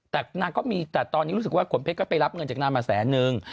แต่นางก็มีแต่ตอนนี้รู้สึกว่าขนเพชรก็ไปรับเงินจากนางมาแสนนึง